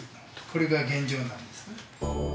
これが現状なんです。